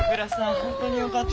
本当によかった。